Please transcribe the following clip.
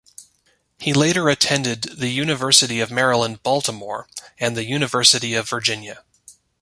He later attended the University of Maryland, Baltimore, and the University of Virginia.